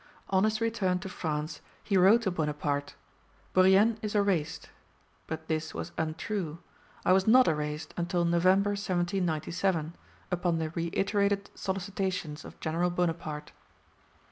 On his return to France he wrote to Bonaparte: "Bourrienne is erased." But this was untrue. I was not erased until November 1797, upon the reiterated solicitations of General Bonaparte.